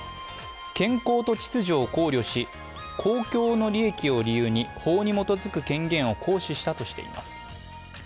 健康と秩序を考慮し、公共の利益を理由に法に基づく権限を行使したとしています。